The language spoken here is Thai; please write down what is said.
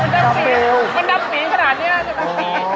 มันดำปีขนาดนี้